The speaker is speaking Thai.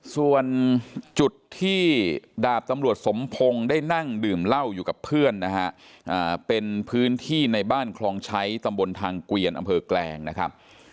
ส่วนจุดที่ดาบตำรวจสมพงศ์ได้นั่งดื่มเหล้าอยู่กับเพื่อนนะฮะเป็นพื้นที่ในบ้านคลองใช้ตำบลทางเกวียนอำเภอแกลงนะครับ